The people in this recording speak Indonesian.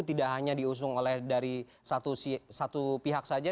tidak hanya diusung oleh dari satu pihak saja